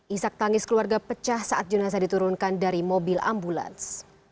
isak tangis keluarga pecah saat jenazah diturunkan dari mobil ambulans